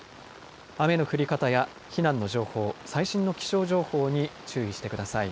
雨の降り方や避難の情報、最新の気象情報に注意してください。